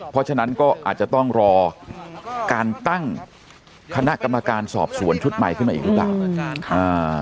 เพราะฉะนั้นก็อาจจะต้องรอการตั้งคณะกรรมการสอบสวนชุดใหม่ขึ้นมาอีกหรือเปล่า